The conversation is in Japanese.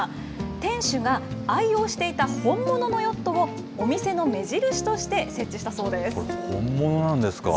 店主が愛用していた本物のヨットをお店の目印として設置したそうこれ、本物なんですか。